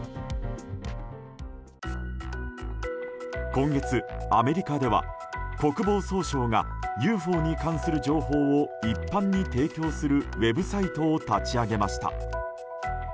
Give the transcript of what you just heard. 今月、アメリカでは国防総省がＵＦＯに関する情報を一般に提供するウェブサイトを立ち上げました。